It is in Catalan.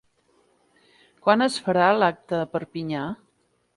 Quan es farà l'acte a Perpinyà?